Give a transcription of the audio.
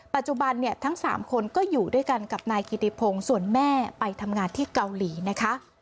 ปัจจุบันเนี่ยทั้ง๓คนก็อยู่ด้วยกันกับนายกิติพงศ์ส่วนแม่ไปทำงานที่เกาหลีนะคะ